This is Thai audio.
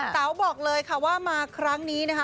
สาวบอกเลยค่ะว่ามาครั้งนี้นะคะ